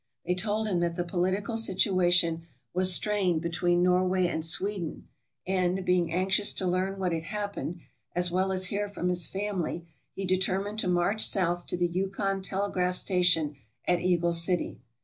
They told him that the political situation was strained between Norway and Sweden, and, being anxious to learn what had happened, as well as hear from his family, he determined to march south to the Yukon telegraph station at Eagle City.